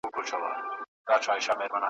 چي غوټۍ سوه ګل خندانه په سحر